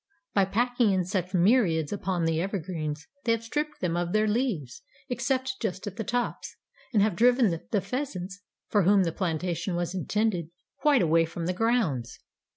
By packing in such myriads upon the evergreens, they have stripped them of their leaves, except just at the tops, and have driven the pheasants, for whom the plantation was intended, quite away from the grounds."